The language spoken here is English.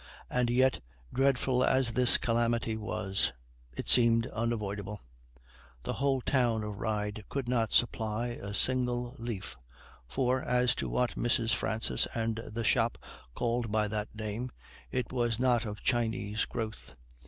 And yet, dreadful as this calamity was, it seemed unavoidable. The whole town of Ryde could not supply a single leaf; for, as to what Mrs. Francis and the shop called by that name, it was not of Chinese growth.